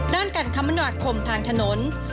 ด้านกันขมนวัดคมทางถนน